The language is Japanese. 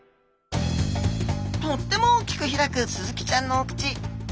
とっても大きく開くスズキちゃんのお口。